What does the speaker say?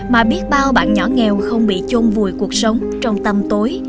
mà biết bao bạn nhỏ nghèo không bị chôn vùi cuộc sống trong tâm tối